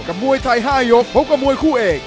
มวยไทย๕ยกพบกับมวยคู่เอก